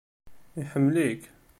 Iḥemmel-ik!